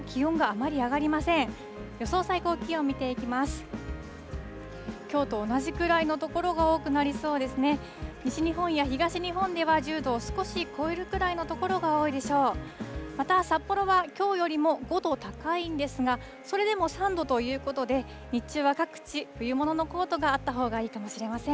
また、札幌はきょうよりも５度高いんですが、それでも３度ということで、日中は各地、冬物のコートがあったほうがいいかもしれません。